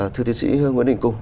thưa thiệt sĩ hương nguyễn định cung